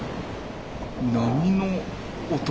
波の音？